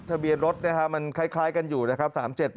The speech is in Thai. ทะเบียนรถมันคล้ายกันอยู่นะครับ